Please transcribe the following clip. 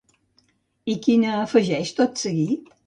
I quina afegeix tot seguit?